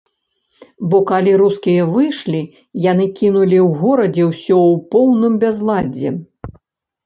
Бо калі рускія выйшлі, яны кінулі ў горадзе ўсё ў поўным бязладдзі.